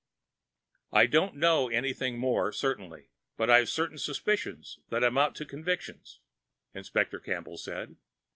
"I don't know anything more certainly, but I've certain suspicions that amount to convictions," Inspector Campbell said.